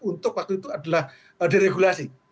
untuk waktu itu adalah deregulasi